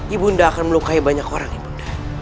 ibunda akan melukai banyak orang ibunda